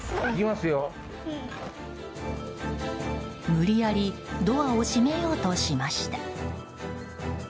無理やりドアを閉めようとしました。